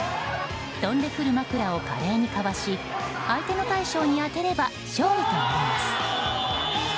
飛んでくる枕を華麗にかわし相手の大将に当てれば勝利となります。